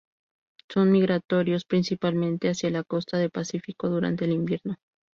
Son migratorios, principalmente hacia la costa de Pacífico durante el invierno.